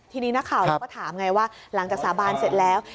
ทีนี้นักข่าวเราก็ถามไงว่าหลังจากสาบานเสร็จแล้ว